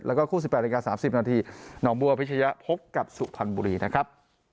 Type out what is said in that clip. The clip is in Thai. แล้วก็คู่๑๘นาที๓๐นาทีหนองบัวพิชยะพบกับสุพรรณบุรีนะครับ